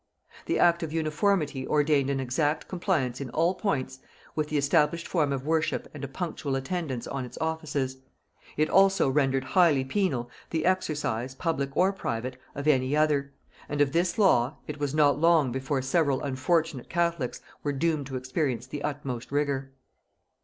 The act of Uniformity ordained an exact compliance in all points with the established form of worship and a punctual attendance on its offices; it also rendered highly penal the exercise, public or private, of any other; and of this law it was not long before several unfortunate catholics were doomed to experience the utmost rigor.